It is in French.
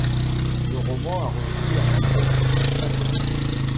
Le roman a reçu un accueil critique très positif.